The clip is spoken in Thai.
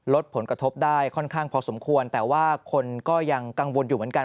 ลดผลกระทบได้ค่อนข้างพอสมควรแต่ว่าคนก็ยังกังวลอยู่เหมือนกัน